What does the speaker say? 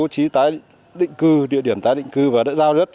chính quyền địa phương đã bố trí địa điểm tái định cư và đã giao đất cho họ